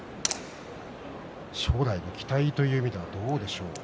将来への期待という意味ではどうでしょう？